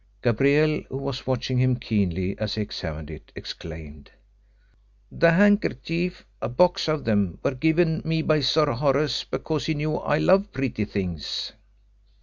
Gabrielle, who was watching him keenly as he examined it, exclaimed: "The handkerchief a box of them were given me by Sir Horace because he knew I love pretty things."